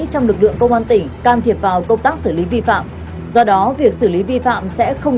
trong lực lượng công an tỉnh can thiệp vào công tác xử lý vi phạm do đó việc xử lý vi phạm sẽ không